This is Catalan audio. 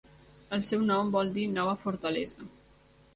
El seu nom vol dir 'Nova fortalesa'.